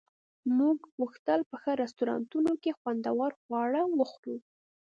موږ غوښتل په ښو رستورانتونو کې خوندور خواړه وخورو